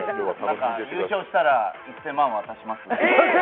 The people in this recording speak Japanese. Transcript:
優勝したら１０００万渡します。